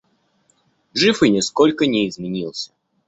Жив и нисколько не изменился.